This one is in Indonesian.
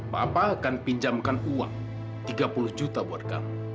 bapak akan pinjamkan uang tiga puluh juta buat kamu